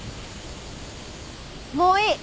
もういい。